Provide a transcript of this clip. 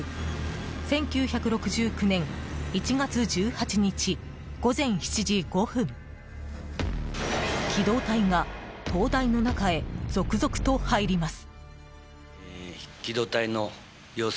１９６９年１月１８日午前７時５分機動隊が東大の中へ続々と入ります。